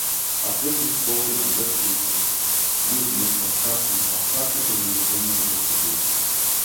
Addresses posted on webpages, Usenet or chat rooms are particularly vulnerable to this.